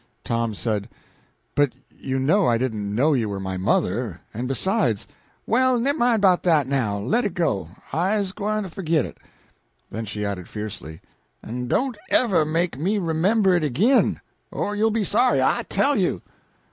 Tom said "But you know I didn't know you were my mother; and besides " "Well, nemmine 'bout dat, now; let it go. I's gwine to fo'git it." Then she added fiercely, "En don't ever make me remember it ag'in, or you'll be sorry, I tell you."